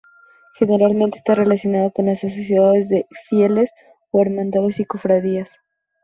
Generalmente está relacionado con las Asociaciones de Fieles o Hermandades y Cofradías.